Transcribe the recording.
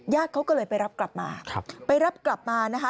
เขาก็เลยไปรับกลับมาไปรับกลับมานะคะ